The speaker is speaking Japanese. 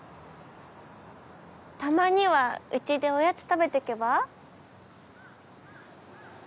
たまにはうちでおやつ食べてけば？